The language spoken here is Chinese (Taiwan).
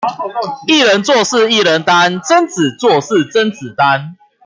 一人做事一人擔，貞子做事甄子丹